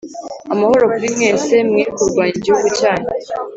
amahoro kuri mwese! mwe kurwanya igihugu cyanyu